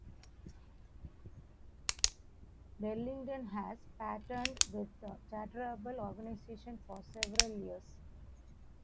Burlington has partnered with charitable organizations for several years.